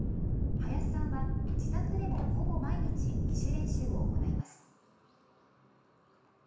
林さんは自宅でもほぼ毎日、自主練習を行います。